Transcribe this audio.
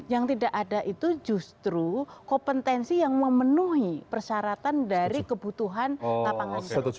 yang tidak ada itu justru kompetensi yang memenuhi persyaratan dari kebutuhan lapangan kerja